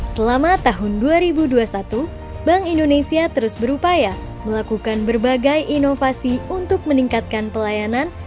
selama tahun dua ribu dua puluh satu bank indonesia terus berupaya melakukan berbagai inovasi untuk meningkatkan pelayanan